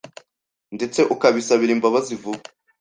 ndetse ukabisabira imbabazi vuba